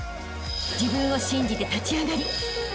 ［自分を信じて立ち上がりあしたへ